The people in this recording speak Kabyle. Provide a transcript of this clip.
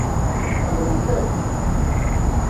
Ḥemmlen-t akk.